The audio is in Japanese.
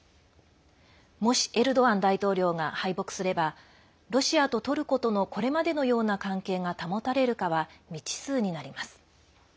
もし、エルドアン大統領が敗北すればロシアとトルコとのこれまでのような関係が保たれるかは未知数になります。